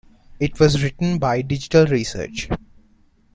It was written by Digital Research.